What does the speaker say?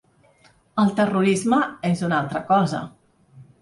El terrorisme és una altra cosa.